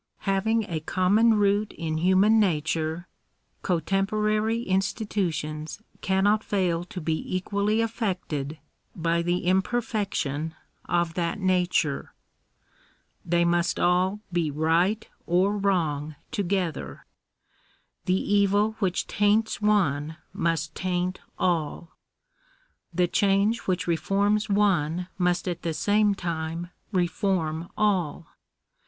Having a common root in human nature, co temporary institutions cannot fail to be equally affected by the n 2 Digitized by VjOOQIC 180 THE RIGHTS OF CHILDREN. imperfection of that nature. They must all he right or wrong together. The evil which taints one must taint all. The change which reforms one must at the same time reform all.